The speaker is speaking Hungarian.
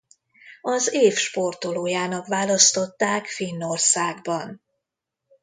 Az év sportolójának választották Finnországban.